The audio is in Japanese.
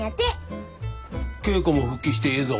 稽古も復帰してええぞ。